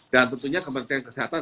dan tentunya kementerian kesehatan